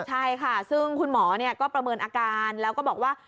ใช่ค่ะซึ่งคุณหมอก็ประเมินอาการแล้วก็บอกว่า